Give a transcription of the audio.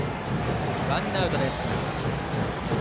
ワンアウトです。